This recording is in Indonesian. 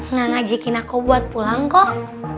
nggak ngajakin aku buat pulang kok